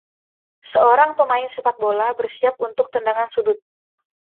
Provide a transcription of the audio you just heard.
Seorang pemain sepak bola bersiap untuk tendangan sudut.